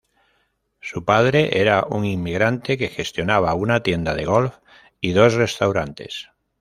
Su padre era un inmigrante que gestionaba una tienda de golf y dos restaurantes.